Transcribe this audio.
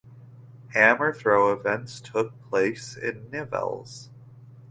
Hammer throw events took place in Nivelles.